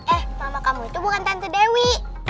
eh mama kamu itu bukan tantu dewi